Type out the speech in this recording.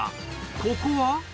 ここは？